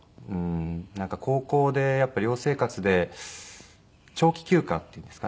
高校でやっぱり寮生活で長期休暇っていうんですかね。